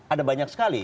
ada banyak sekali